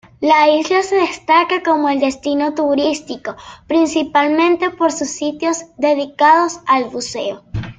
La isla se destaca como destino turístico, principalmente por sus sitios dedicados al buceo.